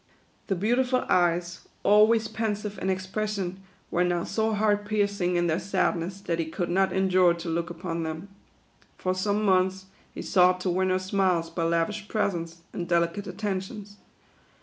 The beautiful eyes, always pensive in ex pression, were now so heart piercing in their sadness, that he could not endure to look upon them. For some months, he sought to win her smiles by lavish presents, and delicate attentions.